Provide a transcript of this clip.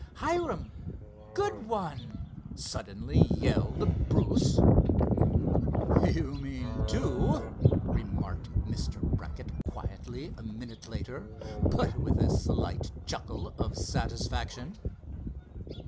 "Hiram—good—one!" suddenly yelled Bruce. "You mean two," remarked Mr. Brackett quietly a minute later, but with a slight chuckle of satisfaction.